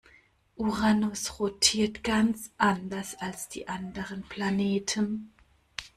Uranus rotiert ganz anders als die anderen Planeten.